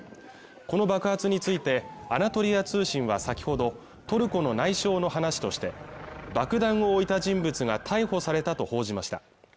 この爆発についてアナトリア通信は先ほどトルコの内相の話として爆弾を置いた人物が逮捕されたと報じました